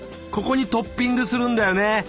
ここにトッピングするんだよね？